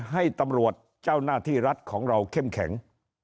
ให้ตำรวจเจ้าหน้าที่รัฐของเราเข้มแข็ง